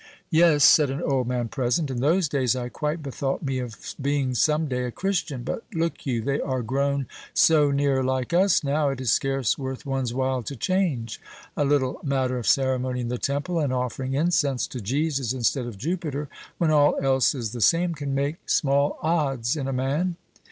"Yes," said an old man present, "in those days I quite bethought me of being some day a Christian; but look you, they are grown so near like us now, it is scarce worth one's while to change. A little matter of ceremony in the temple, and offering incense to Jesus, instead of Jupiter, when all else is the same, can make small odds in a man."